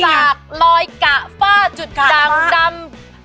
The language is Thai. เคยสากรอยกะฝ้าจุดดังจำกะล่ะ